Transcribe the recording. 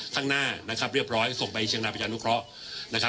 ข้างหน้าเรียบร้อยส่งไปเชียงราคมันก็รอบแรก